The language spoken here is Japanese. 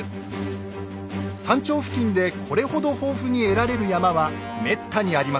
山頂付近でこれほど豊富に得られる山はめったにありません。